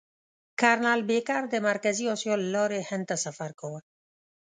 کرنل بېکر د مرکزي اسیا له لارې هند ته سفر کاوه.